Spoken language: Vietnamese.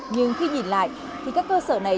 nhưng khi nhìn lại thì các cơ sở này